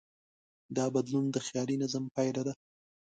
دا بدلون د خیالي نظم پایله ده.